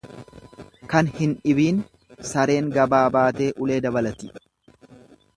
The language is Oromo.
Kan hin dhibiin sareen gabaa baatee ulee dabalati.